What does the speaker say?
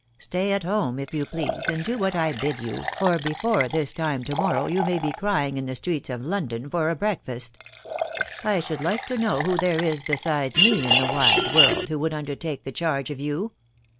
... Stay at home, if you please, and do what 1 bid you, or before this time to morrow you may be crying in the streets of London for a breakfast. ... I should like to know who there is besides me in the wide world who would undertake the charge of you